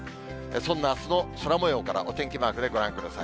そんなあすの空もようからお天気マークでご覧ください。